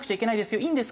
いいんですか？